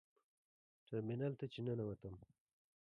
ټرمینل ته چې ننوتم.